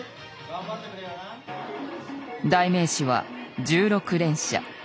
代名詞は「１６連射」。